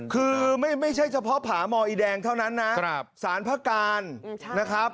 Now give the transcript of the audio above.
คือไม่ใช่เฉพาะผามอีแดงเท่านั้นนะสารพระการนะครับ